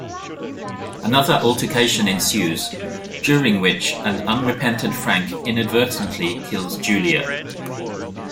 Another altercation ensues, during which an unrepentant Frank inadvertently kills Julia.